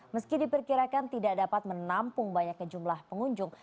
meski diperkirakan tidak dapat menampung banyaknya jumlah pengunjung